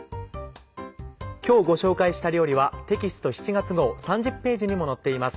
今日ご紹介した料理はテキスト７月号３０ページにも載っています。